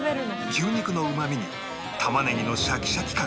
牛肉のうまみに玉ねぎのシャキシャキ感